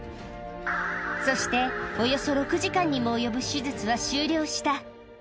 そして、およそ６時間にも及ぶ手術は終了した。